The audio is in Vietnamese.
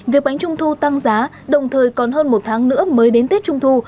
việc bánh trung thu tăng giá đồng thời còn hơn một tháng nữa mới đến tết trung thu